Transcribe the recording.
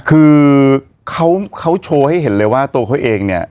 คือเขาโชว์ให้เห็นเลยว่าตัวเขาเองเนี่ย